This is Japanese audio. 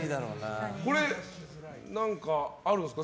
これ、何かあるんですか？